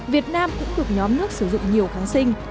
việt nam cũng được nhóm nước sử dụng nhiều kháng sinh